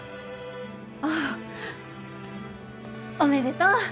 あっおめでとう。